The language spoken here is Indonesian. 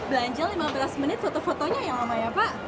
belanja lima belas menit foto fotonya ya mama ya pak